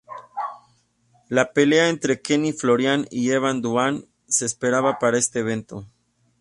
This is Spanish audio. La pelea entre Kenny Florian y Evan Dunham se esperaba para este evento.